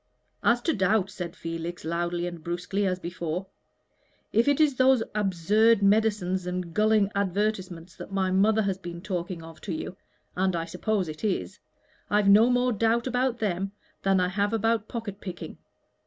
"As to doubt," said Felix, loudly and brusquely as before, "if it is those absurd medicines and gulling advertisements that my mother has been talking of to you and I suppose it is I've no more doubt about them than I have about pocket picking.